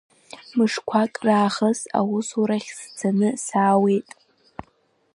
Мышқәак раахыс аусурахь сцаны саауеит.